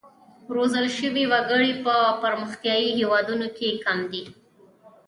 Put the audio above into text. روزل شوي وګړي په پرمختیايي هېوادونو کې کم دي.